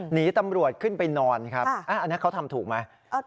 หนีตำรวจขึ้นไปนอนครับอันนี้เขาทำถูกไหม